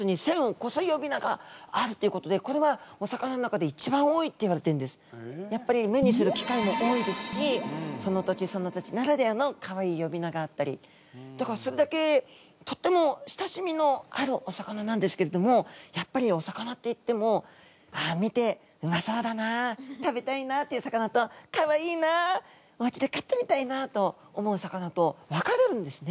メダカちゃん一つにやっぱり目にする機会も多いですしその土地その土地ならではのかわいいよび名があったりだからそれだけとっても親しみのあるお魚なんですけれどもやっぱりお魚っていっても見て「うまそうだな食べたいな」っていう魚と「かわいいなおうちで飼ってみたいな」と思う魚と分かれるんですね。